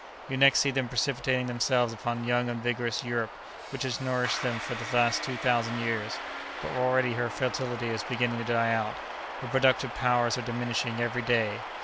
You next see them precipitating themselves upon young and vigorous Europe, which has nourished them for the last two thousand years. But already her fertility is beginning to die out; her productive powers are diminishing every day.